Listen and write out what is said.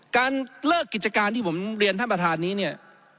การเลิกกิจการที่ผมเรียนท่านประธานนี้เนี่ย